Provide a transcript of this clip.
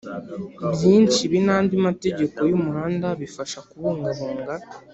Byinshi ibi n andi mategeko y umuhanda bifasha kubungabunga